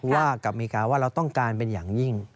ว่ากับอเมริกาว่าเราต้องการเป็นอย่างยิ่ง